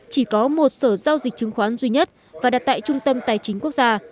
chỉ có một sở giao dịch chứng khoán duy nhất và đặt tại trung tâm tài chính quốc gia